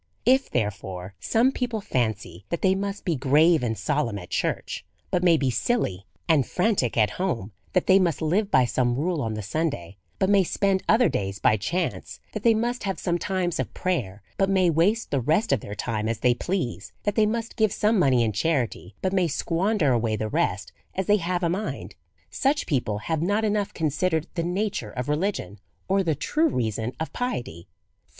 If, therefore, some people fancy that they must be grave and solemn at church, but may be silly and e2 52 A SERIOUS CALL TO A frantic at home ; that they must live by some rule on the Sunday, but may spend other days by chance ; that they must have some times of prayer, but may waste the rest of their time as they please ; that they must give some money in charity, but may squander away the rest as they have a mind ; such people have not enough considered the nature of religion, or tlie true reason of piety.